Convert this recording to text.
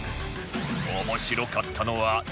面白かったのはどっち？